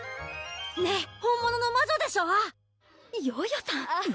ねっ本物の魔女でしょ？